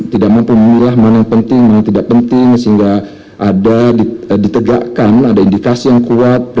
tidak mampu memilah mana yang penting mana yang tidak penting sehingga ada ditegakkan ada indikasi yang kuat